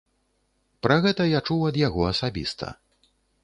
Пра гэта я чуў ад яго асабіста.